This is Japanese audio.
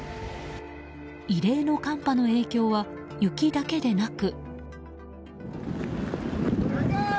異例の寒波の影響は雪だけでなく。